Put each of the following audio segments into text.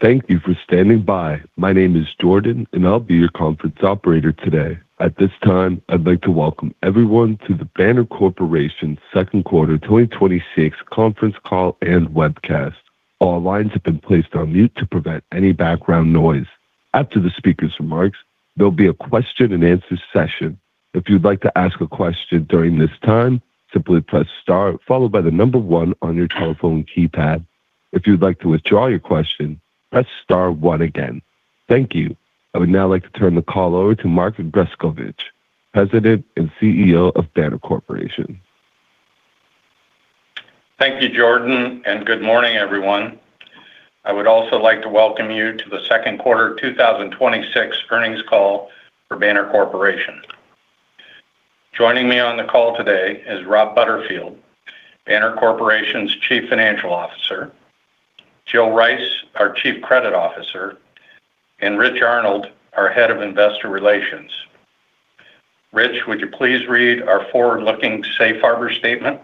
Thank you for standing by. My name is Jordan, I'll be your conference operator today. At this time, I'd like to welcome everyone to the Banner Corporation Second Quarter 2026 conference call and webcast. All lines have been placed on mute to prevent any background noise. After the speaker's remarks, there'll be a question-and-answer session. If you'd like to ask a question during this time, simply press star followed by the number one on your telephone keypad. If you'd like to withdraw your question, press star one again. Thank you. I would now like to turn the call over to Mark Grescovich, President and CEO of Banner Corporation. Thank you, Jordan. Good morning, everyone. I would also like to welcome you to the second quarter 2026 earnings call for Banner Corporation. Joining me on the call today is Rob Butterfield, Banner Corporation's Chief Financial Officer, Jill Rice, our Chief Credit Officer, and Rich Arnold, our Head of Investor Relations. Rich, would you please read our forward-looking safe harbor statement?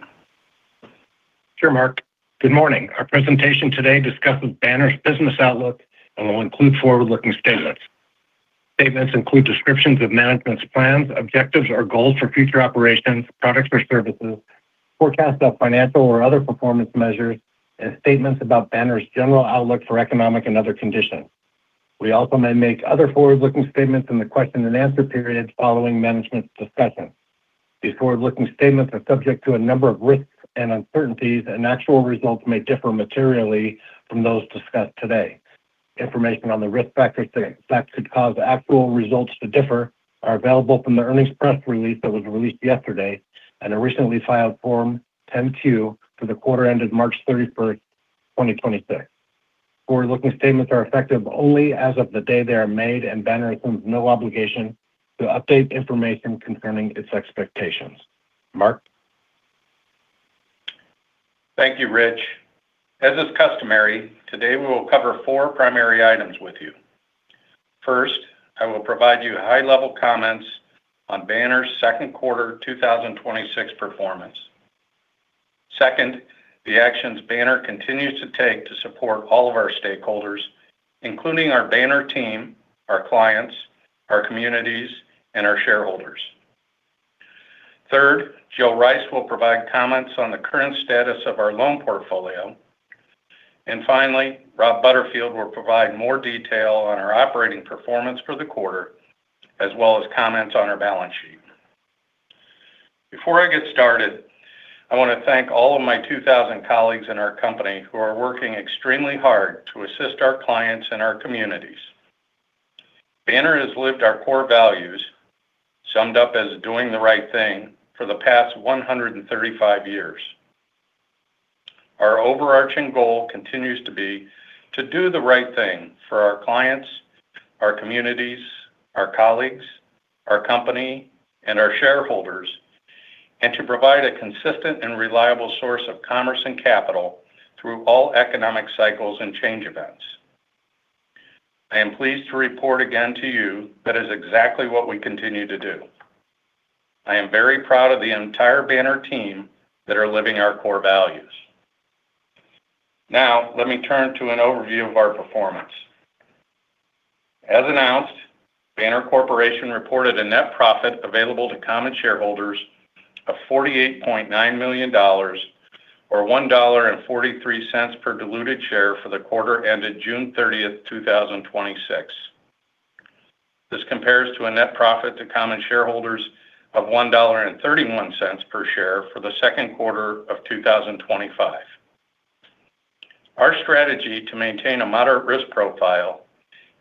Sure, Mark. Good morning. Our presentation today discusses Banner's business outlook and will include forward-looking statements. Statements include descriptions of management's plans, objectives or goals for future operations, products or services, forecasts of financial or other performance measures, and statements about Banner's general outlook for economic and other conditions. We also may make other forward-looking statements in the question-and-answer period following management's discussion. These forward-looking statements are subject to a number of risks and uncertainties. Actual results may differ materially from those discussed today. Information on the risk factors that could cause actual results to differ are available from the earnings press release that was released yesterday and a recently filed Form 10-Q for the quarter ended March 31st, 2026. Forward-looking statements are effective only as of the day they are made. Banner assumes no obligation to update information concerning its expectations. Mark? Thank you, Rich. As is customary, today we will cover four primary items with you. First, I will provide you high-level comments on Banner's second quarter 2026 performance. Second, the actions Banner continues to take to support all of our stakeholders, including our Banner team, our clients, our communities, and our shareholders. Third, Jill Rice will provide comments on the current status of our loan portfolio. Finally, Rob Butterfield will provide more detail on our operating performance for the quarter, as well as comments on our balance sheet. Before I get started, I want to thank all of my 2,000 colleagues in our company who are working extremely hard to assist our clients and our communities. Banner has lived our core values, summed up as doing the right thing, for the past 135 years. Our overarching goal continues to be to do the right thing for our clients, our communities, our colleagues, our company, and our shareholders, and to provide a consistent and reliable source of commerce and capital through all economic cycles and change events. I am pleased to report again to you that is exactly what we continue to do. I am very proud of the entire Banner team that are living our core values. Now, let me turn to an overview of our performance. As announced, Banner Corporation reported a net profit available to common shareholders of $48.9 million, or $1.43 per diluted share for the quarter ended June 30th, 2026. This compares to a net profit to common shareholders of $1.31 per share for the second quarter of 2025. Our strategy to maintain a moderate risk profile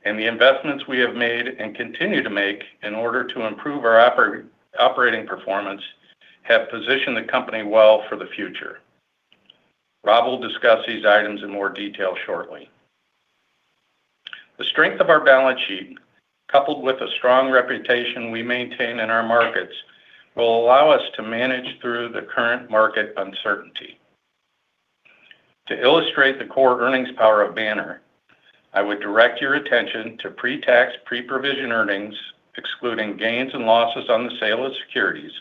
and the investments we have made and continue to make in order to improve our operating performance have positioned the company well for the future. Rob will discuss these items in more detail shortly. The strength of our balance sheet, coupled with a strong reputation we maintain in our markets, will allow us to manage through the current market uncertainty. To illustrate the core earnings power of Banner, I would direct your attention to pre-tax pre-provision earnings, excluding gains and losses on the sale of securities,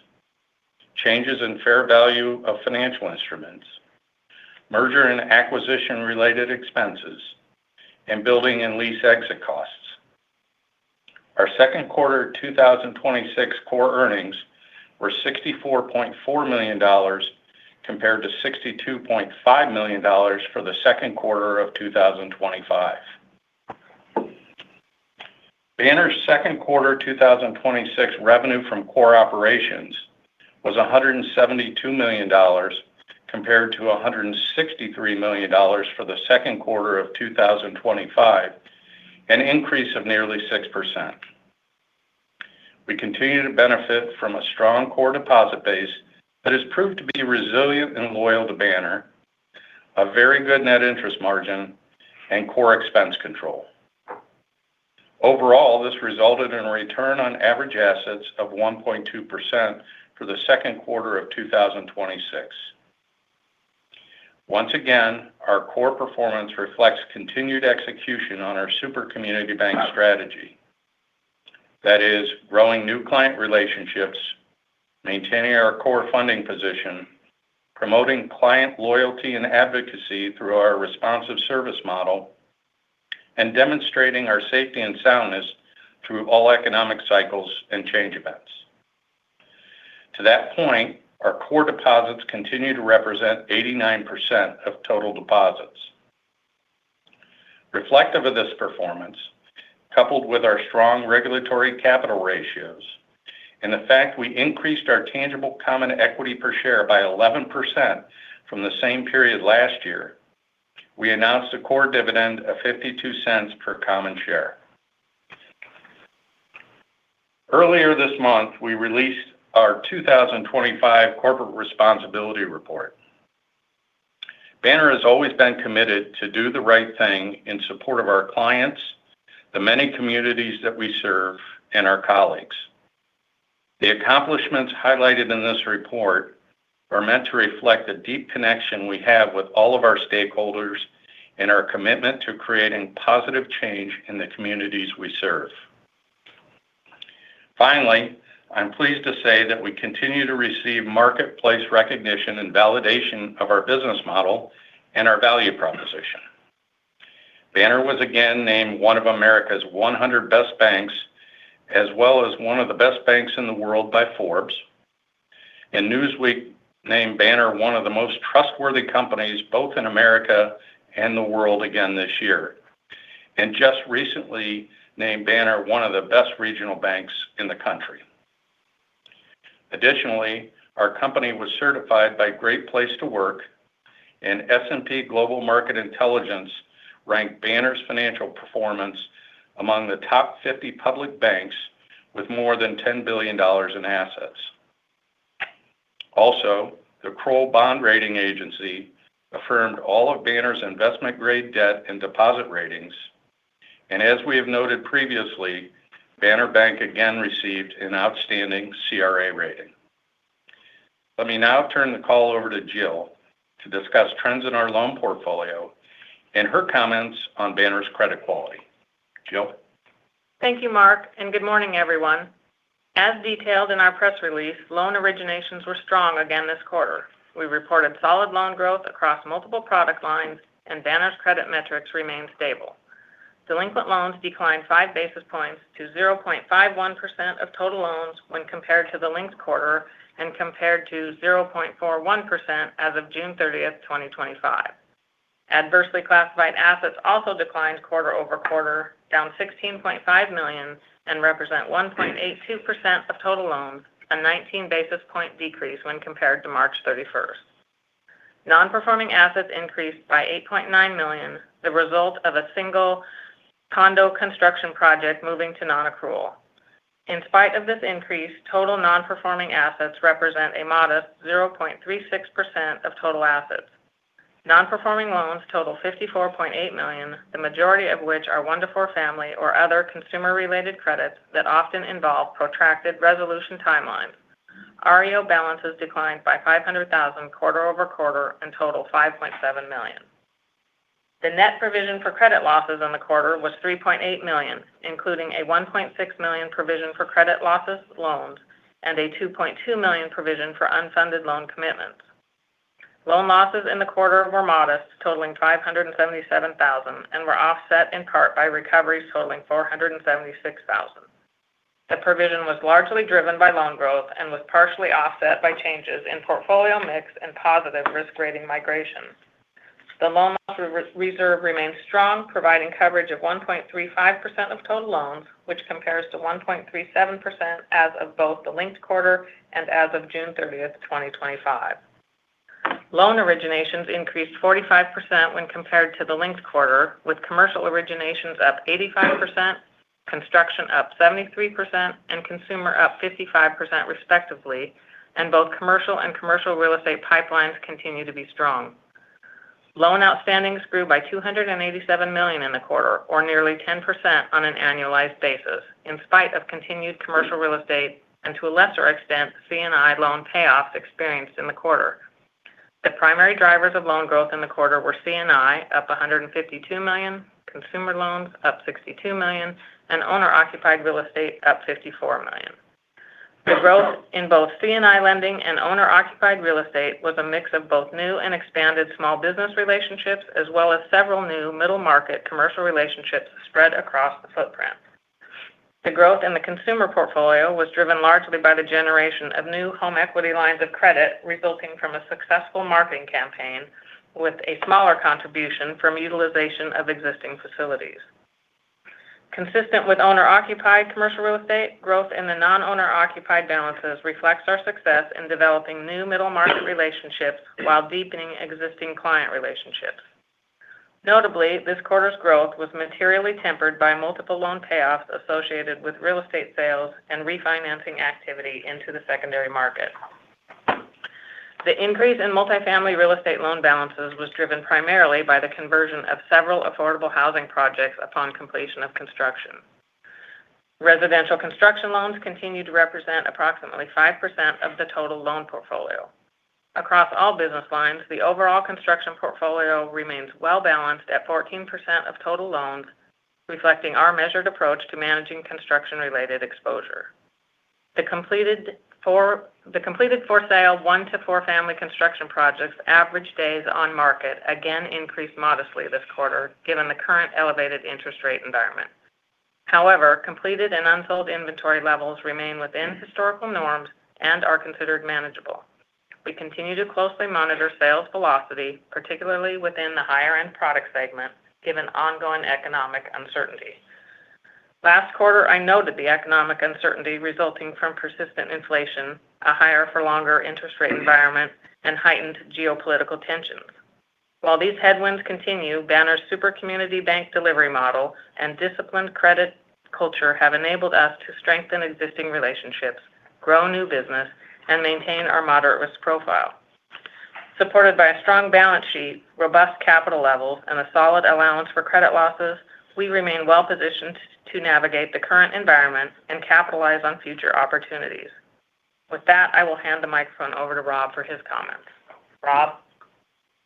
changes in fair value of financial instruments, merger and acquisition-related expenses, and building and lease exit costs. Our second quarter 2026 core earnings were $64.4 million compared to $62.5 million for the second quarter of 2025. Banner's second quarter 2026 revenue from core operations was $172 million compared to $163 million for the second quarter of 2025, an increase of nearly 6%. We continue to benefit from a strong core deposit base that has proved to be resilient and loyal to Banner, a very good net interest margin, and core expense control. Overall, this resulted in a return on average assets of 1.2% for the second quarter of 2026. Once again, our core performance reflects continued execution on our Super Community Bank strategy That is growing new client relationships, maintaining our core funding position, promoting client loyalty and advocacy through our responsive service model, and demonstrating our safety and soundness through all economic cycles and change events. To that point, our core deposits continue to represent 89% of total deposits. Reflective of this performance, coupled with our strong regulatory capital ratios and the fact we increased our tangible common equity per share by 11% from the same period last year, we announced a core dividend of $0.52 per common share. Earlier this month, we released our 2025 corporate responsibility report. Banner has always been committed to do the right thing in support of our clients, the many communities that we serve, and our colleagues. The accomplishments highlighted in this report are meant to reflect the deep connection we have with all of our stakeholders and our commitment to creating positive change in the communities we serve. Finally, I'm pleased to say that we continue to receive marketplace recognition and validation of our business model and our value proposition. Banner was again named one of America's 100 Best Banks, as well as one of the best banks in the world by Forbes. Newsweek named Banner one of the Most Trustworthy Companies both in America and the world again this year. Just recently named Banner one of the Best Regional Banks in the country. Additionally, our company was certified by Great Place to Work and S&P Global Market Intelligence ranked Banner's financial performance among the top 50 public banks with more than $10 billion in assets. Also, the Kroll Bond Rating Agency affirmed all of Banner's investment-grade debt and deposit ratings. As we have noted previously, Banner Bank again received an outstanding CRA rating. Let me now turn the call over to Jill to discuss trends in our loan portfolio and her comments on Banner's credit quality. Jill? Thank you, Mark, and good morning, everyone. As detailed in our press release, loan originations were strong again this quarter. We reported solid loan growth across multiple product lines. Banner's credit metrics remained stable. Delinquent loans declined 5 basis points to 0.51% of total loans when compared to the linked quarter and compared to 0.41% as of June 30th, 2025. Adversely classified assets also declined quarter-over-quarter, down $16.5 million. Represent 1.82% of total loans, a 19-basis-point decrease when compared to March 31st. Non-performing assets increased by $8.9 million, the result of a single condo construction project moving to non-accrual. In spite of this increase, total non-performing assets represent a modest 0.36% of total assets. Non-performing loans total $54.8 million, the majority of which are 1-4 family or other consumer-related credits that often involve protracted resolution timelines. REO balances declined by $500,000 quarter-over-quarter. Total $5.7 million. The net provision for credit losses on the quarter was $3.8 million, including a $1.6 million provision for credit losses loans and a $2.2 million provision for unfunded loan commitments. Loan losses in the quarter were modest, totaling $577,000. Were offset in part by recoveries totaling $476,000. The provision was largely driven by loan growth. Was partially offset by changes in portfolio mix and positive risk rating migrations. The loan loss reserve remains strong, providing coverage of 1.35% of total loans, which compares to 1.37% as of both the linked quarter and as of June 30th, 2025. Loan originations increased 45% when compared to the linked quarter, with commercial originations up 85%, construction up 73%, and consumer up 55% respectively. Both commercial and commercial real estate pipelines continue to be strong. Loan outstandings grew by $287 million in the quarter, or nearly 10% on an annualized basis, in spite of continued commercial real estate, and to a lesser extent, C&I loan payoffs experienced in the quarter. The primary drivers of loan growth in the quarter were C&I, up $152 million, consumer loans up $62 million, and owner-occupied real estate up $54 million. The growth in both C&I lending and owner-occupied real estate was a mix of both new and expanded small business relationships as well as several new middle market commercial relationships spread across the footprint. The growth in the consumer portfolio was driven largely by the generation of new home equity lines of credit resulting from a successful marketing campaign with a smaller contribution from utilization of existing facilities. Consistent with owner-occupied commercial real estate, growth in the non-owner occupied balances reflects our success in developing new middle market relationships while deepening existing client relationships. Notably, this quarter's growth was materially tempered by multiple loan payoffs associated with real estate sales and refinancing activity into the secondary market. The increase in multifamily real estate loan balances was driven primarily by the conversion of several affordable housing projects upon completion of construction. Residential construction loans continue to represent approximately 5% of the total loan portfolio. Across all business lines, the overall construction portfolio remains well-balanced at 14% of total loans, reflecting our measured approach to managing construction-related exposure. The completed for sale 1-4 family construction projects average days on market again increased modestly this quarter, given the current elevated interest rate environment. However, completed and unsold inventory levels remain within historical norms and are considered manageable. We continue to closely monitor sales velocity, particularly within the higher-end product segment, given ongoing economic uncertainty. Last quarter, I noted the economic uncertainty resulting from persistent inflation, a higher for longer interest rate environment, and heightened geopolitical tensions. While these headwinds continue, Banner's Super Community Bank delivery model and disciplined credit culture have enabled us to strengthen existing relationships, grow new business, and maintain our moderate risk profile. Supported by a strong balance sheet, robust capital levels, and a solid allowance for credit losses, we remain well-positioned to navigate the current environment and capitalize on future opportunities. With that, I will hand the microphone over to Rob for his comments. Rob?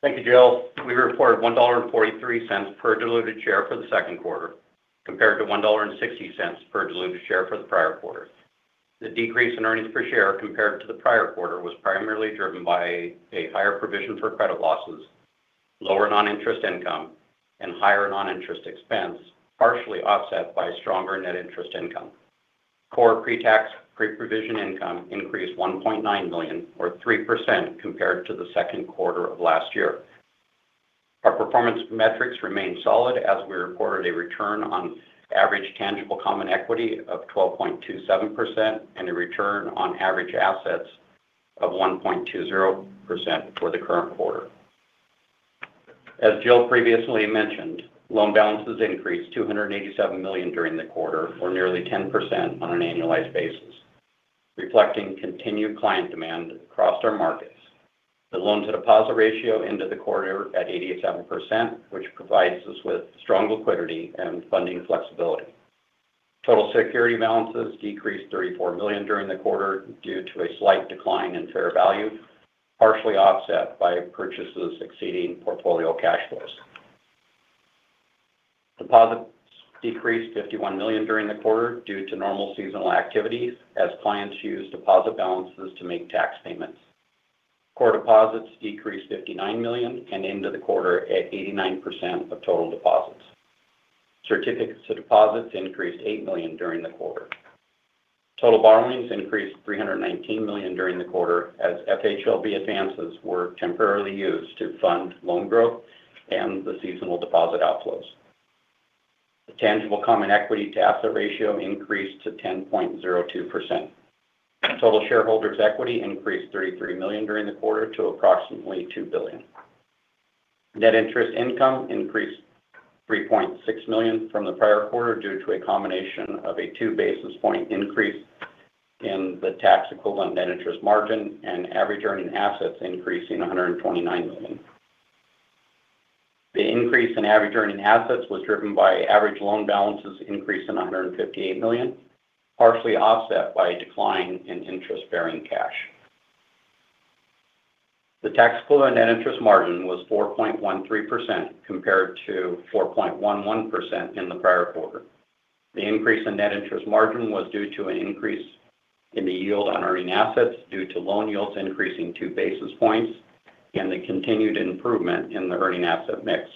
Thank you, Jill. We reported $1.43 per diluted share for the second quarter, compared to $1.60 per diluted share for the prior quarter. The decrease in earnings per share compared to the prior quarter was primarily driven by a higher provision for credit losses, lower non-interest income, and higher non-interest expense, partially offset by stronger net interest income. Core pre-tax, pre-provision income increased $1.9 million, or 3%, compared to the second quarter of last year. Our performance metrics remain solid as we reported a return on average tangible common equity of 12.27% and a return on average assets of 1.20% for the current quarter. As Jill previously mentioned, loan balances increased $287 million during the quarter, or nearly 10% on an annualized basis, reflecting continued client demand across our markets. The loan-to-deposit ratio ended the quarter at 87%, which provides us with strong liquidity and funding flexibility. Total security balances decreased $34 million during the quarter due to a slight decline in fair value, partially offset by purchases exceeding portfolio cash flows. Deposits decreased $51 million during the quarter due to normal seasonal activities as clients use deposit balances to make tax payments. Core deposits decreased $59 million and ended the quarter at 89% of total deposits. Certificates of deposits increased $8 million during the quarter. Total borrowings increased $319 million during the quarter as FHLB advances were temporarily used to fund loan growth and the seasonal deposit outflows. The tangible common equity to asset ratio increased to 10.02%. Total shareholders' equity increased $33 million during the quarter to approximately $2 billion. Net interest income increased $3.6 million from the prior quarter due to a combination of a 2-basis-point increase in the tax equivalent net interest margin and average earning assets increasing $129 million. The increase in average earning assets was driven by average loan balances increase of $158 million, partially offset by a decline in interest-bearing cash. The tax equivalent net interest margin was 4.13% compared to 4.11% in the prior quarter. The increase in net interest margin was due to an increase in the yield on earning assets due to loan yields increasing 2 basis points and the continued improvement in the earning asset mix.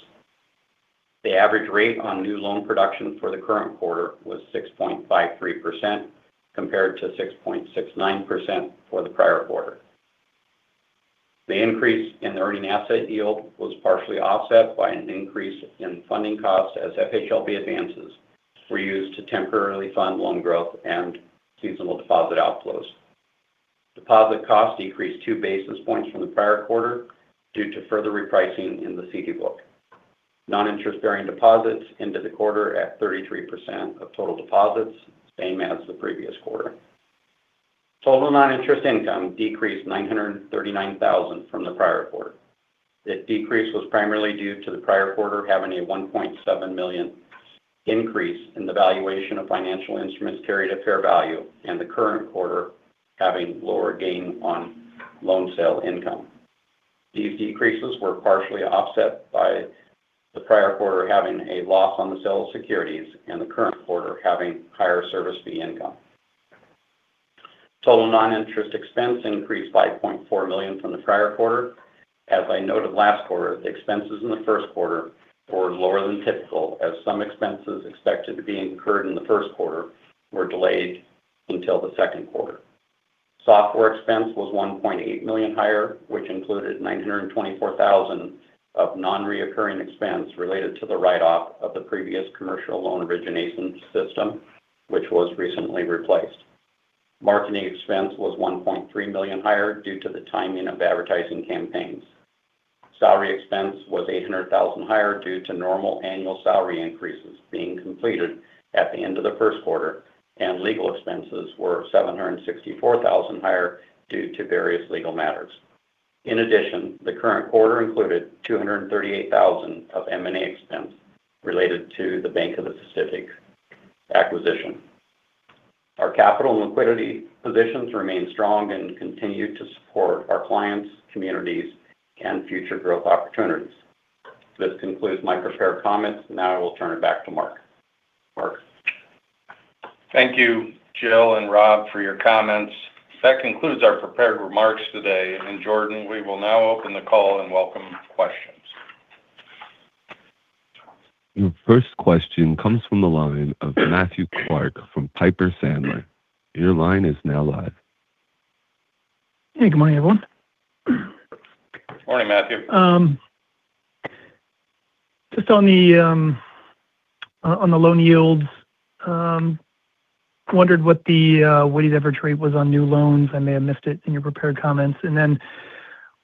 The average rate on new loan production for the current quarter was 6.53%, compared to 6.69% for the prior quarter. The increase in the earning asset yield was partially offset by an increase in funding costs as FHLB advances were used to temporarily fund loan growth and seasonal deposit outflows. Deposit costs decreased 2 basis points from the prior quarter due to further repricing in the CD book. Non-interest-bearing deposits ended the quarter at 33% of total deposits, same as the previous quarter. Total non-interest income decreased $939,000 from the prior quarter. The decrease was primarily due to the prior quarter having a $1.7 million increase in the valuation of financial instruments carried at fair value, and the current quarter having lower gain on loan sale income. These decreases were partially offset by the prior quarter having a loss on the sale of securities and the current quarter having higher service fee income. Total non-interest expense increased $5.4 million from the prior quarter. As I noted last quarter, the expenses in the first quarter were lower than typical as some expenses expected to be incurred in the first quarter were delayed until the second quarter. Software expense was $1.8 million higher, which included $924,000 of non-recurring expense related to the write-off of the previous commercial loan origination system, which was recently replaced. Marketing expense was $1.3 million higher due to the timing of advertising campaigns. Salary expense was $800,000 higher due to normal annual salary increases being completed at the end of the first quarter, and legal expenses were $764,000 higher due to various legal matters. In addition, the current quarter included $238,000 of M&A expense related to the Bank of the Pacific acquisition. Our capital and liquidity positions remain strong and continue to support our clients, communities, and future growth opportunities. This concludes my prepared comments. Now I will turn it back to Mark. Mark? Thank you, Jill and Rob, for your comments. That concludes our prepared remarks today. Jordan, we will now open the call and welcome questions. Your first question comes from the line of Matthew Clark from Piper Sandler. Your line is now live. Hey. Good morning, everyone. Morning, Matthew. Just on the loan yields, wondered what the weighted average rate was on new loans. I may have missed it in your prepared comments. Then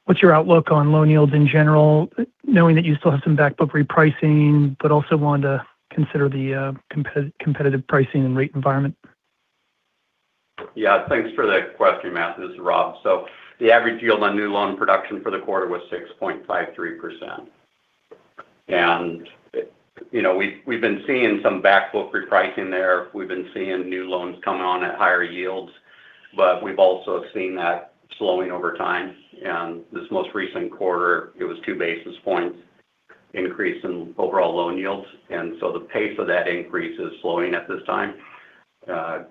what's your outlook on loan yields in general, knowing that you still have some back book repricing, but also wanting to consider the competitive pricing and rate environment? Thanks for that question, Matthew. This is Rob. The average yield on new loan production for the quarter was 6.53%. We've been seeing some back book repricing there. We've been seeing new loans come on at higher yields. We've also seen that slowing over time. This most recent quarter, it was 2 basis points increase in overall loan yields. The pace of that increase is slowing at this time.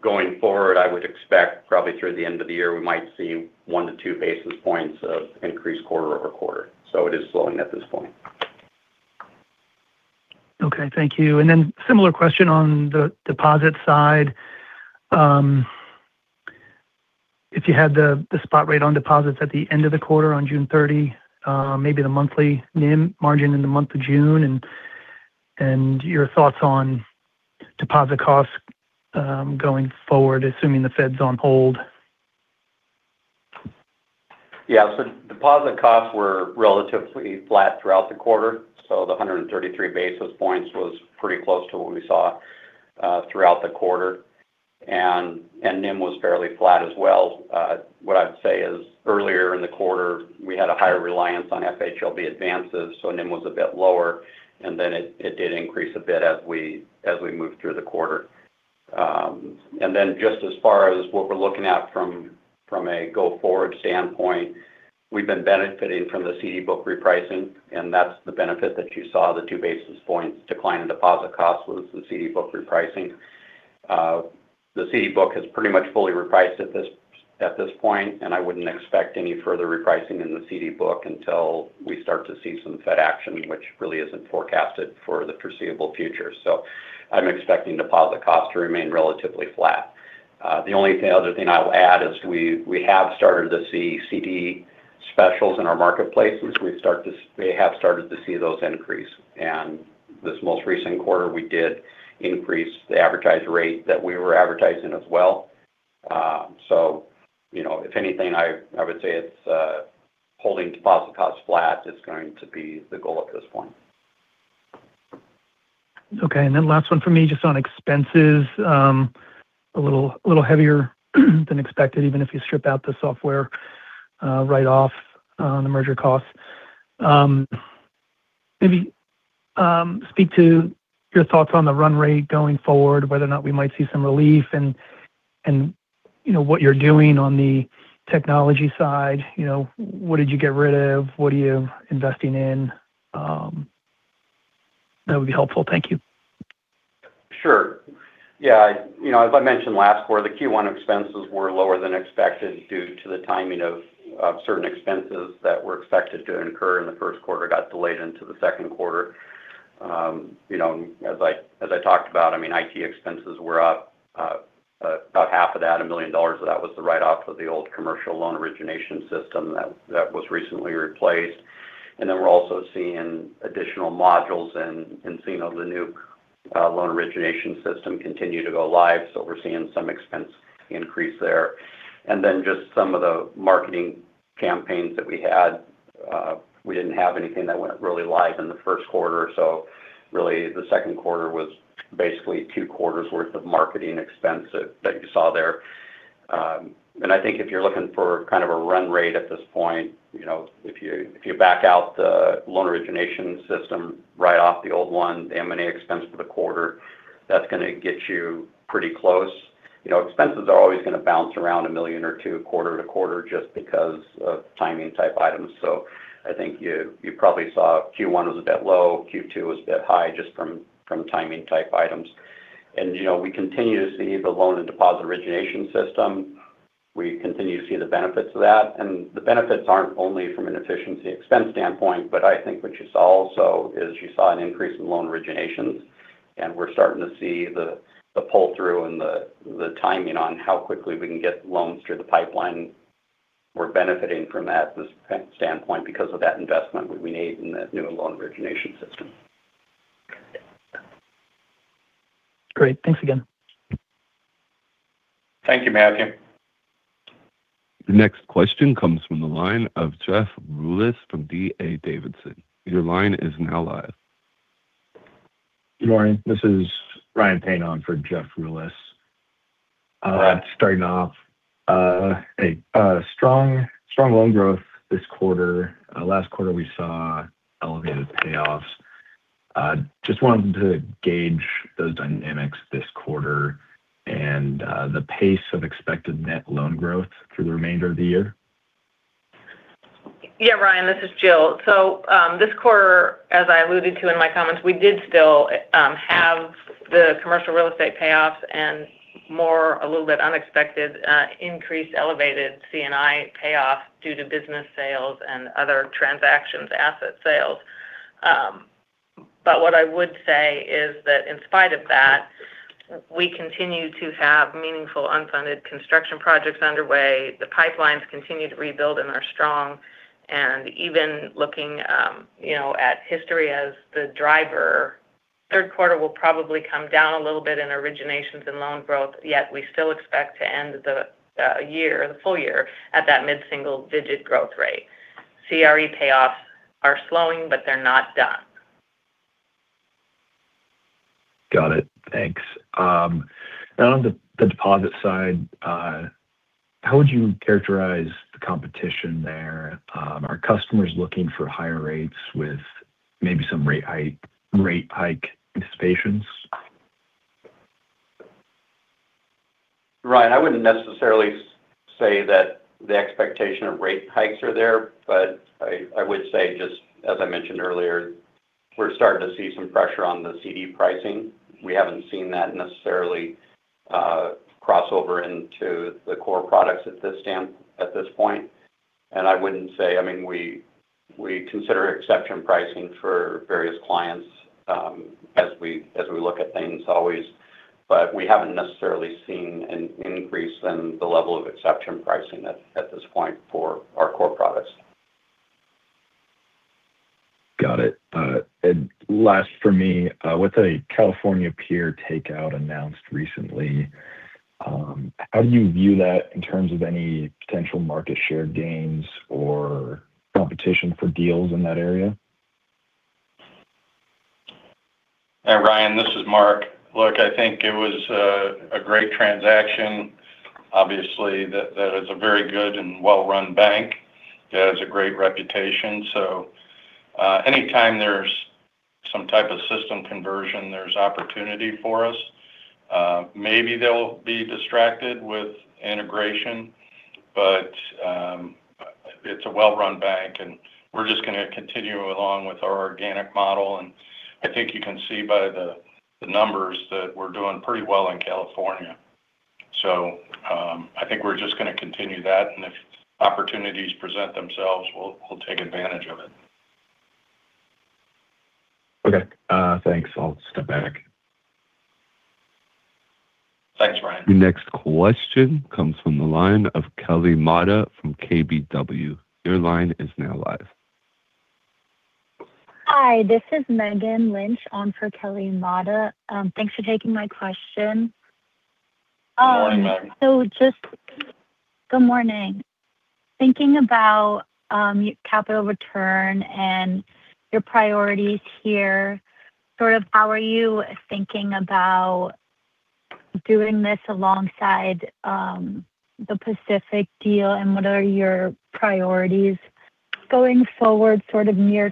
Going forward, I would expect probably through the end of the year, we might see 1-2 basis points of increase quarter-over-quarter. It is slowing at this point. Thank you. Similar question on the deposit side. If you had the spot rate on deposits at the end of the quarter on June 30, maybe the monthly NIM margin in the month of June and your thoughts on deposit costs going forward, assuming the Fed's on hold. Deposit costs were relatively flat throughout the quarter. The 133 basis points was pretty close to what we saw throughout the quarter. NIM was fairly flat as well. What I would say is earlier in the quarter, we had a higher reliance on FHLB advances, NIM was a bit lower, then it did increase a bit as we moved through the quarter. Just as far as what we're looking at from a go-forward standpoint, we've been benefiting from the CD book repricing, that's the benefit that you saw, the 2 basis points decline in deposit costs was the CD book repricing. The CD book has pretty much fully repriced at this point, and I wouldn't expect any further repricing in the CD book until we start to see some Fed action, which really isn't forecasted for the foreseeable future. I'm expecting deposit costs to remain relatively flat. The only other thing I'll add is we have started to see CD specials in our marketplace. We have started to see those increase. This most recent quarter, we did increase the advertised rate that we were advertising as well. If anything, I would say it's holding deposit costs flat is going to be the goal at this point. Last one from me, just on expenses. A little heavier than expected, even if you strip out the software write-off on the merger costs. Maybe speak to your thoughts on the run rate going forward, whether or not we might see some relief and what you're doing on the technology side. What did you get rid of? What are you investing in? That would be helpful. Thank you. Sure. Yeah. As I mentioned last quarter, the Q1 expenses were lower than expected due to the timing of certain expenses that were expected to incur in the first quarter got delayed into the second quarter. As I talked about, IT expenses were up about half of that, $1 million of that was the write-off of the old commercial loan origination system that was recently replaced. We're also seeing additional modules and seeing the new loan origination system continue to go live. We're seeing some expense increase there. Just some of the marketing campaigns that we had, we didn't have anything that went really live in the first quarter. Really, the second quarter was basically two quarters worth of marketing expense that you saw there. I think if you're looking for kind of a run rate at this point, if you back out the loan origination system, write off the old one, the M&A expense for the quarter, that's going to get you pretty close. Expenses are always going to bounce around $1 million or $2 million quarter to quarter just because of timing-type items. I think you probably saw Q1 was a bit low, Q2 was a bit high just from timing-type items. We continue to see the loan and deposit origination system. We continue to see the benefits of that. The benefits aren't only from an efficiency expense standpoint, but I think what you saw also is you saw an increase in loan originations, and we're starting to see the pull-through and the timing on how quickly we can get loans through the pipeline. We're benefiting from that standpoint because of that investment we made in that new loan origination system. Great. Thanks again. Thank you, Matthew. The next question comes from the line of Jeff Rulis from D.A. Davidson. Your line is now live. Good morning. This is Ryan Payne on for Jeff Rulis. Right. Starting off, a strong loan growth this quarter. Last quarter, we saw elevated payoffs. I just wanted to gauge those dynamics this quarter and the pace of expected net loan growth through the remainder of the year. Yeah, Ryan, this is Jill. This quarter, as I alluded to in my comments, we did still have the commercial real estate payoffs and more, a little bit unexpected, increased elevated C&I payoffs due to business sales and other transactions, asset sales. What I would say is that in spite of that, we continue to have meaningful unfunded construction projects underway. The pipelines continue to rebuild and are strong. Even looking at history as the driver, third quarter will probably come down a little bit in originations and loan growth, yet we still expect to end the full year at that mid-single-digit growth rate. CRE payoffs are slowing, they're not done. Got it. Thanks. Now on the deposit side, how would you characterize the competition there? Are customers looking for higher rates with maybe some rate hike anticipations? Ryan, I wouldn't necessarily say that the expectation of rate hikes are there. I would say just as I mentioned earlier, we're starting to see some pressure on the CD pricing. We haven't seen that necessarily cross over into the core products at this point. We consider exception pricing for various clients as we look at things always. We haven't necessarily seen an increase in the level of exception pricing at this point for our core products. Got it. Last for me, with a California peer takeout announced recently, how do you view that in terms of any potential market share gains or competition for deals in that area? Hi, Ryan, this is Mark. I think it was a great transaction. Obviously, that is a very good and well-run bank that has a great reputation. Anytime there's some type of system conversion, there's opportunity for us. Maybe they'll be distracted with integration. It's a well-run bank, and we're just going to continue along with our organic model. I think you can see by the numbers that we're doing pretty well in California. I think we're just going to continue that, and if opportunities present themselves, we'll take advantage of it. Okay. Thanks. I'll step back. Thanks, Ryan. The next question comes from the line of Kelly Motta from KBW. Your line is now live. Hi, this is Megan Lynch on for Kelly Motta. Thanks for taking my question. Good morning, Megan. Good morning. Thinking about capital return and your priorities here, how are you thinking about doing this alongside the Pacific deal, and what are your priorities going forward near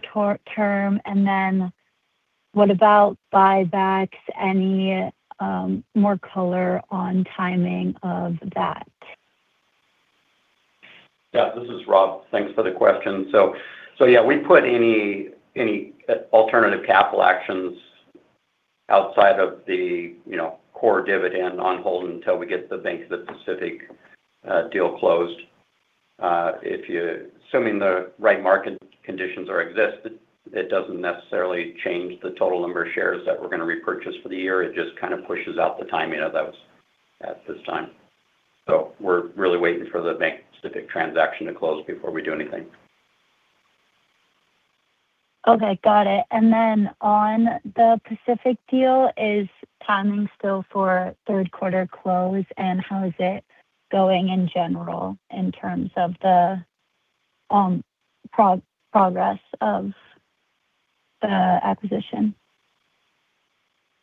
term? What about buybacks? Any more color on timing of that? This is Rob. Thanks for the question. We put any alternative capital actions outside of the core dividend on hold until we get the Bank of the Pacific deal closed. Assuming the right market conditions exist, it doesn't necessarily change the total number of shares that we're going to repurchase for the year. It just kind of pushes out the timing of those at this time. We're really waiting for the Bank of the Pacific transaction to close before we do anything. Okay, got it. On the Pacific deal, is timing still for third quarter close? How is it going in general in terms of the progress of the acquisition?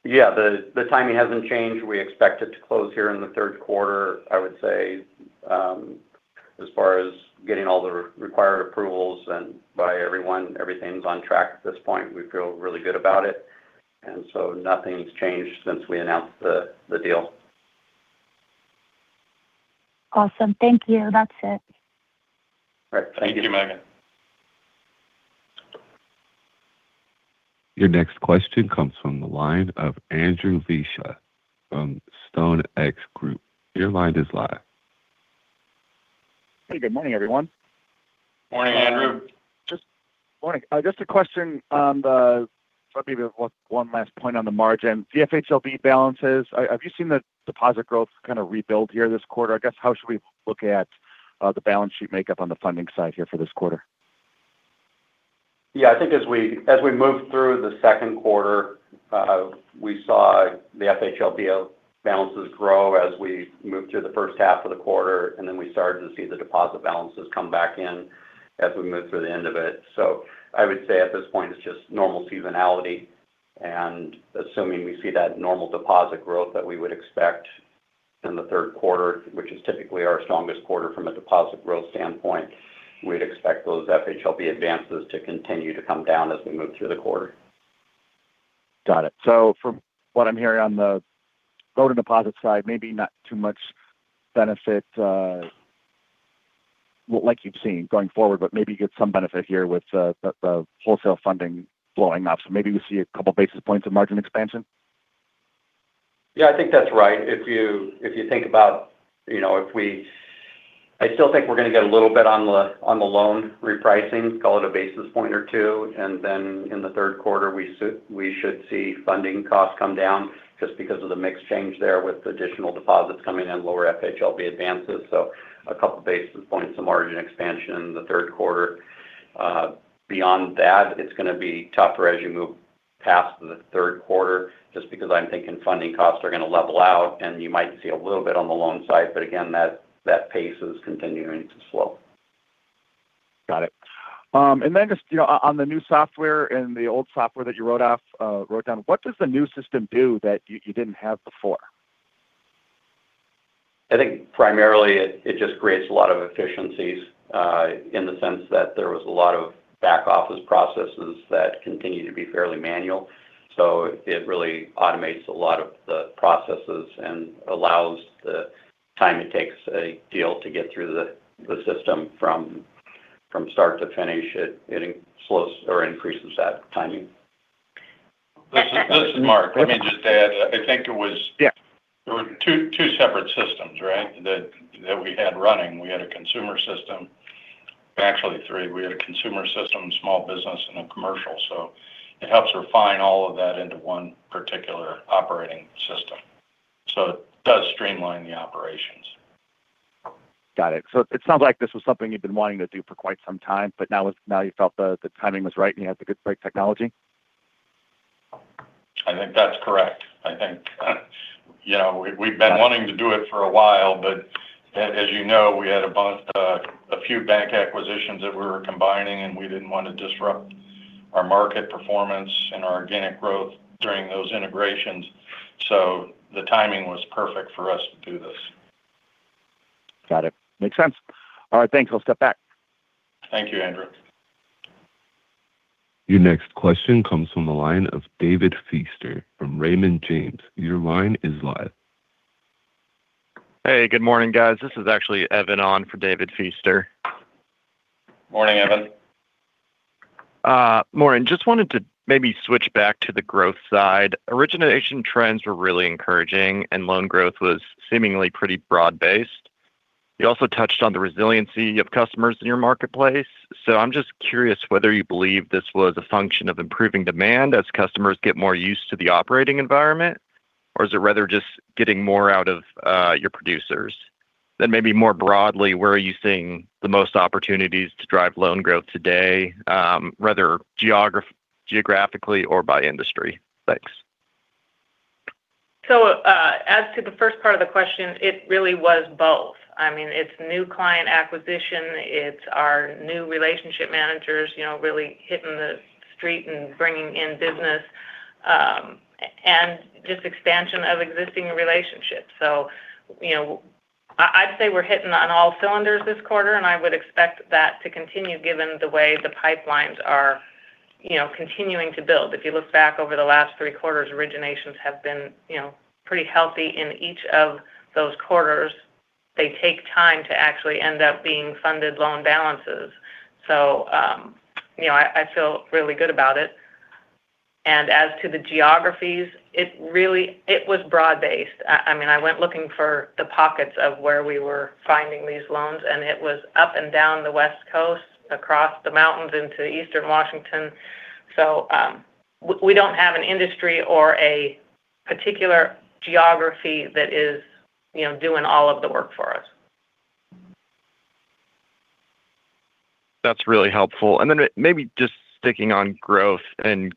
The timing hasn't changed. We expect it to close here in the third quarter. I would say as far as getting all the required approvals and by everyone, everything's on track at this point. We feel really good about it. Nothing's changed since we announced the deal. Awesome. Thank you. That's it. All right. Thank you. Thank you, Megan. Your next question comes from the line of Andrew Liesch from StoneX Group. Your line is live. Hey, good morning, everyone. Morning, Andrew. Morning. Just a question on the margin. FHLB balances. Have you seen the deposit growth kind of rebuild here this quarter? How should we look at the balance sheet makeup on the funding side here for this quarter? Yeah, I think as we moved through the second quarter, we saw the FHLB balances grow as we moved through the first half of the quarter. We started to see the deposit balances come back in as we moved through the end of it. I would say at this point, it's just normal seasonality. Assuming we see that normal deposit growth that we would expect in the third quarter, which is typically our strongest quarter from a deposit growth standpoint, we'd expect those FHLB advances to continue to come down as we move through the quarter. Got it. From what I'm hearing on the go-to-deposit side, maybe not too much benefit like you've seen going forward, maybe you get some benefit here with the wholesale funding flowing up. Maybe we see a couple basis points of margin expansion? Yeah, I think that's right. I still think we're going to get a little bit on the loan repricing, call it 1-2 basis points, and then in the third quarter, we should see funding costs come down just because of the mix change there with additional deposits coming in, lower FHLB advances. A 2 basis points of margin expansion in the third quarter. Beyond that, it's going to be tougher as you move past the third quarter, just because I'm thinking funding costs are going to level out and you might see a little bit on the loan side, but again, that pace is continuing to slow. Got it. Just on the new software and the old software that you wrote down, what does the new system do that you didn't have before? I think primarily it just creates a lot of efficiencies in the sense that there was a lot of back office processes that continued to be fairly manual. It really automates a lot of the processes and allows the time it takes a deal to get through the system from start to finish. It slows or increases that timing. This is Mark. Let me just add. Yeah. there were two separate systems, right, that we had running. We had a consumer system. Actually, three. We had a consumer system, small business, and a commercial. It helps refine all of that into one particular operating system. It does streamline the operations. Got it. It sounds like this was something you've been wanting to do for quite some time, but now you felt the timing was right and you had the good technology? I think that's correct. I think we've been wanting to do it for a while, but as you know, we had a few bank acquisitions that we were combining, and we didn't want to disrupt our market performance and our organic growth during those integrations. The timing was perfect for us to do this. Got it. Makes sense. All right, thanks. I'll step back. Thank you, Andrew. Your next question comes from the line of David Feaster from Raymond James. Your line is live. Hey, good morning, guys. This is actually Evan on for David Feaster. Morning, Evan. Morning. Just wanted to maybe switch back to the growth side. Origination trends were really encouraging, and loan growth was seemingly pretty broad-based. You also touched on the resiliency of customers in your marketplace. I'm just curious whether you believe this was a function of improving demand as customers get more used to the operating environment, or is it rather just getting more out of your producers? Maybe more broadly, where are you seeing the most opportunities to drive loan growth today, whether geographically or by industry? Thanks. As to the first part of the question, it really was both. It's new client acquisition, it's our new relationship managers really hitting the street and bringing in business, and just expansion of existing relationships. I'd say we're hitting on all cylinders this quarter, and I would expect that to continue given the way the pipelines are continuing to build. If you look back over the last three quarters, originations have been pretty healthy in each of those quarters. They take time to actually end up being funded loan balances. I feel really good about it. As to the geographies, it was broad based. I went looking for the pockets of where we were finding these loans, and it was up and down the West Coast, across the mountains into Eastern Washington. We don't have an industry or a particular geography that is doing all of the work for us. That's really helpful. Maybe just sticking on growth and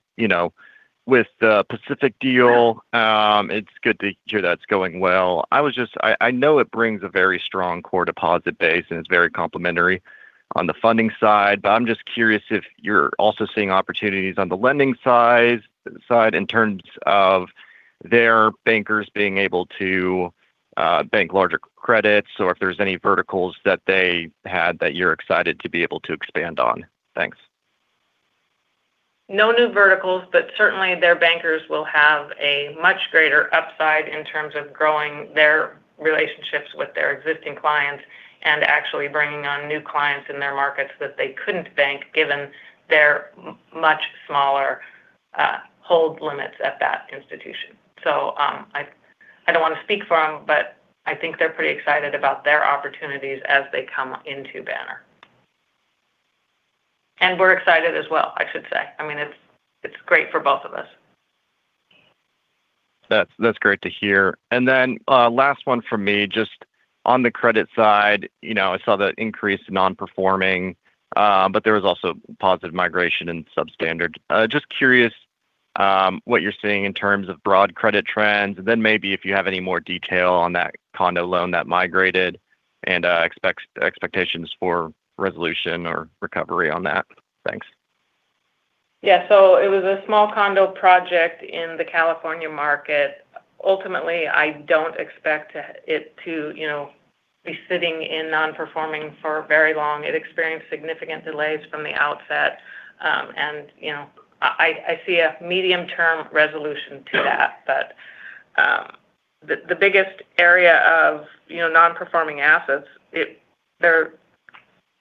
with the Pacific deal, it's good to hear that's going well. I know it brings a very strong core deposit base, and it's very complimentary on the funding side, I'm just curious if you're also seeing opportunities on the lending side in terms of their bankers being able to bank larger credits or if there's any verticals that they had that you're excited to be able to expand on. Thanks. Certainly their bankers will have a much greater upside in terms of growing their relationships with their existing clients and actually bringing on new clients in their markets that they couldn't bank given their much smaller hold limits at that institution. I don't want to speak for them, but I think they're pretty excited about their opportunities as they come into Banner. We're excited as well, I should say. It's great for both of us. That's great to hear. Last one from me, just on the credit side, I saw the increase in non-performing, there was also positive migration in substandard. Just curious what you're seeing in terms of broad credit trends, and then maybe if you have any more detail on that condo loan that migrated and expectations for resolution or recovery on that. Thanks. It was a small condo project in the California market. Ultimately, I don't expect it to be sitting in non-performing for very long. It experienced significant delays from the outset. I see a medium-term resolution to that. The biggest area of non-performing assets, they're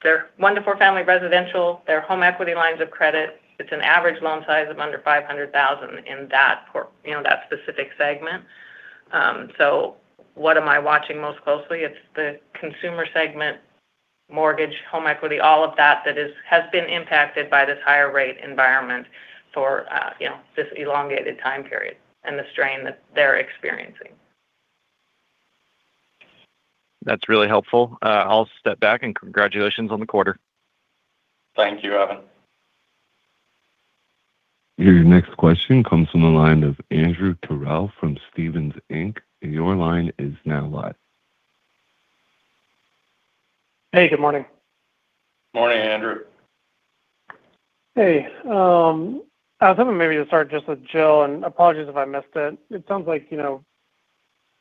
1-4 family residential. They're home equity lines of credit. It's an average loan size of under $500,000 in that specific segment. What am I watching most closely? It's the consumer segment, mortgage, home equity, all of that has been impacted by this higher rate environment for this elongated time period and the strain that they're experiencing. That's really helpful. I'll step back, congratulations on the quarter. Thank you, Evan. Your next question comes from the line of Andrew Terrell from Stephens Inc. Your line is now live. Hey, good morning. Morning, Andrew. Hey. I was hoping maybe to start just with Jill, and apologies if I missed it. It sounds like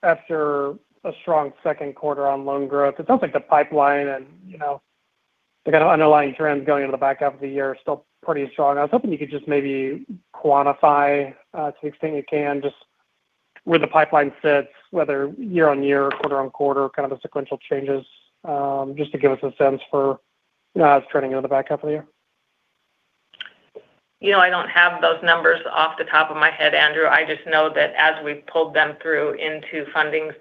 after a strong second quarter on loan growth, it sounds like the pipeline and the kind of underlying trends going into the back half of the year are still pretty strong. I was hoping you could just maybe quantify, to the extent you can, just where the pipeline sits, whether year-on-year or quarter-on-quarter, kind of the sequential changes, just to give us a sense for trends into the back half of the year. I don't have those numbers off the top of my head, Andrew. I just know that as we've pulled them through into fundings,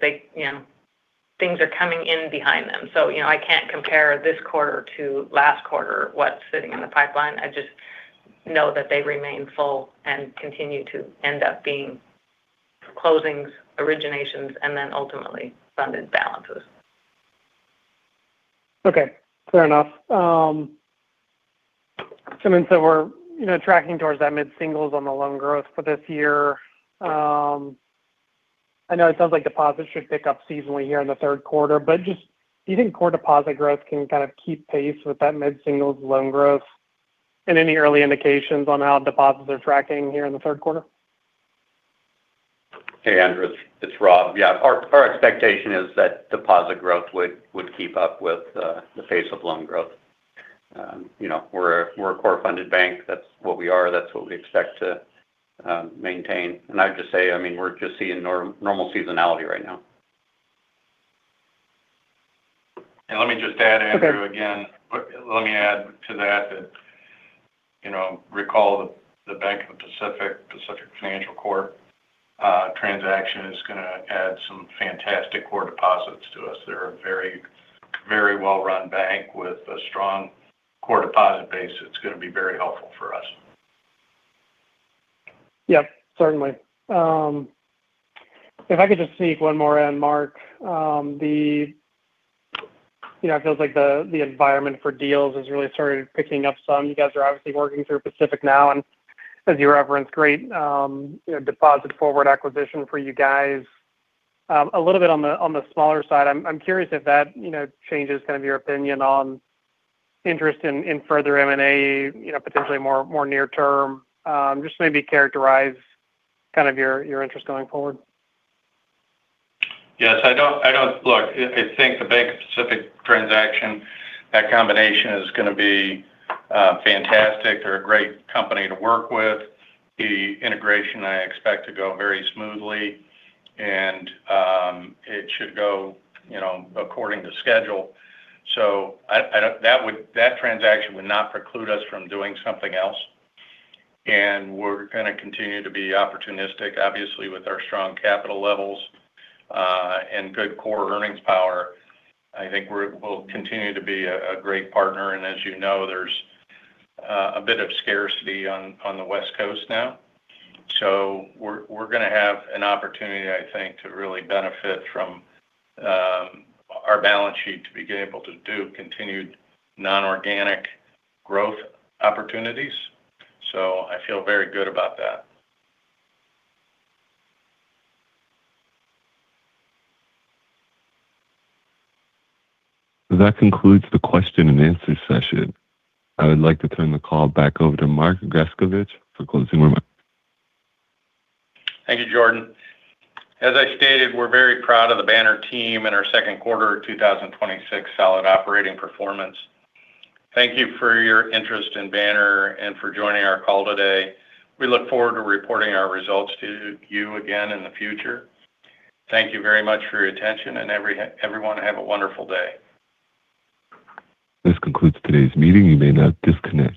things are coming in behind them. I can't compare this quarter to last quarter what's sitting in the pipeline. I just know that they remain full and continue to end up being closings, originations, and then ultimately funded balances. Okay. Fair enough. We're tracking towards that mid-singles on the loan growth for this year. I know it sounds like deposits should pick up seasonally here in the third quarter, do you think core deposit growth can kind of keep pace with that mid-singles loan growth? Any early indications on how deposits are tracking here in the third quarter? Hey, Andrew. It's Rob. Yeah. Our expectation is that deposit growth would keep up with the pace of loan growth. We're a core-funded bank. That's what we are. That's what we expect to maintain. I'd just say we're just seeing normal seasonality right now. Let me just add, Andrew. Okay. Again. Let me add to that. Recall the Bank of the Pacific Financial Corporation transaction is going to add some fantastic core deposits to us. They're a very well-run bank with a strong core deposit base that's going to be very helpful for us. Yep. Certainly. If I could just sneak one more in, Mark. It feels like the environment for deals has really started picking up some. You guys are obviously working through Pacific now, and as you referenced, great deposit forward acquisition for you guys. A little bit on the smaller side, I'm curious if that changes your opinion on interest in further M&A, potentially more near term. Just maybe characterize your interest going forward. Yes. Look, I think the Bank of the Pacific transaction, that combination is going to be fantastic. They're a great company to work with. The integration I expect to go very smoothly, and it should go according to schedule. That transaction would not preclude us from doing something else, we're going to continue to be opportunistic. Obviously, with our strong capital levels and good core earnings power, I think we'll continue to be a great partner. As you know, there's a bit of scarcity on the West Coast now. We're going to have an opportunity, I think, to really benefit from our balance sheet to be able to do continued non-organic growth opportunities. I feel very good about that. That concludes the question and answer session. I would like to turn the call back over to Mark Grescovich for closing remarks. Thank you, Jordan. As I stated, we're very proud of the Banner team and our second quarter 2026 solid operating performance. Thank you for your interest in Banner and for joining our call today. We look forward to reporting our results to you again in the future. Thank you very much for your attention, and everyone have a wonderful day. This concludes today's meeting. You may now disconnect.